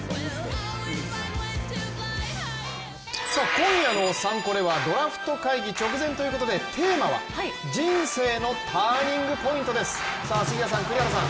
今夜の「サンコレ」はドラフト会議直前ということでテーマは人生のターニングポイントです。